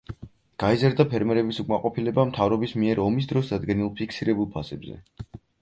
გაიზარდა ფერმერების უკმაყოფილება მთავრობის მიერ ომის დროს დადგენილ ფიქსირებულ ფასებზე.